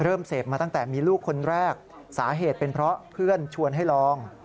เริ่มเสพมาตั้งแต่มีลูกคนแรกสาเหตุเป็นเพราะเพื่อนชวนให้ลอง